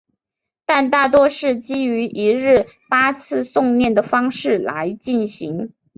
但大多是基于一日八次诵念的方式来进行。